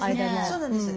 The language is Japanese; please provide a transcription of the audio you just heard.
そうなんです。